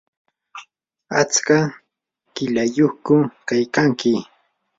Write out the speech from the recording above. ¿atska qilayyuqku kaykanki?